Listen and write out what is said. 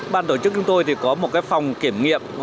ban tổ chức chúng tôi thì có một phòng kiểm nghiệm